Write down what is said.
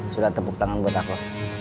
sudah tepuk tangan buat aku